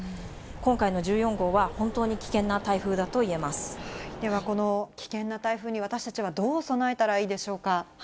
今回の１４号は、本当に危険な台では、この危険な台風に、私たちはどう備えたらいいでしょうか。